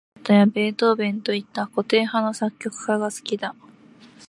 彼女はモーツァルトやベートーヴェンといった、古典派の作曲家が好きだ。